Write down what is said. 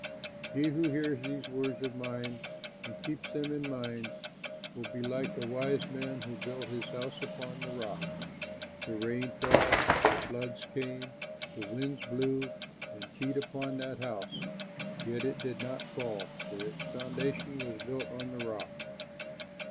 "He who hears these words of mine and keeps them in mind will be like a wise man who built his house upon the rock. The rain fell, the floods came, the winds blew and beat upon that house; yet it did not fall, for its foundation was built on the rock.